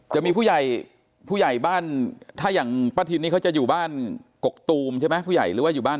จะมีผู้ใหญ่ผู้ใหญ่บ้านถ้าอย่างป้าทินนี่เขาจะอยู่บ้านกกตูมใช่ไหมผู้ใหญ่หรือว่าอยู่บ้าน